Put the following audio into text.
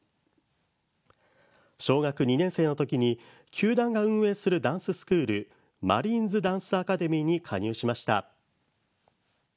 小学２年生のときに球団が運営するダンススクールマリーンズ・ダンスアカデミーに加入しました。